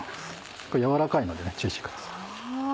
これ柔らかいので注意してください。